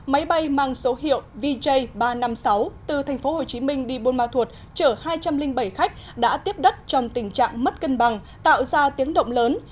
máy bay mang số hiệu vj ba trăm năm mươi sáu từ tp hcm đi buôn ma thuột chở hai trăm linh bảy khách đã tiếp đất trong tình trạng mất cân bằng tạo ra tiếng động lớn